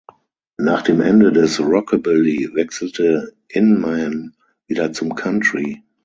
Nach dem Ende des Rockabilly wechselte Inman wieder zum Country.